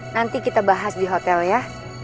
nanti kita bahas di hotel ya